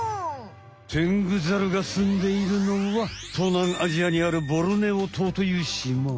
テングザルがすんでいるのはとうなんアジアにあるボルネオ島というしま。